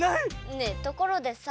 ねえところでさ